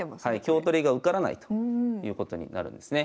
香取りが受からないということになるんですね。